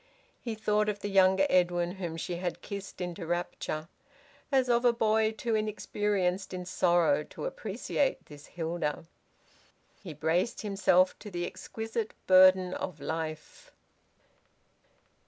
He thought of the younger Edwin whom she had kissed into rapture, as of a boy too inexperienced in sorrow to appreciate this Hilda. He braced himself to the exquisite burden of life.